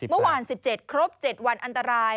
เมื่อวาน๑๗ครบ๗วันอันตราย